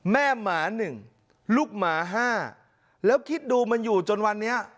แม่หมาหนึ่งลูกหมาห้าแล้วคิดดูมันอยู่จนวันนี้